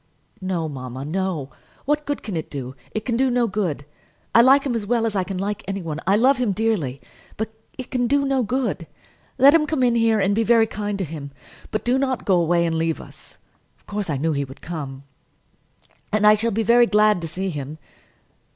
"No, mamma, no; what good can it do? It can do no good. I like him as well as I can like any one. I love him dearly. But it can do no good. Let him come in here, and be very kind to him; but do not go away and leave us. Of course I knew he would come, and I shall be very glad to see him."